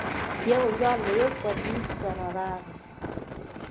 يو ځوان له يوه پتنوس سره راغی.